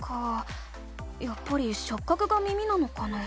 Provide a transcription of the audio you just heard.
やっぱりしょっ角が耳なのかな？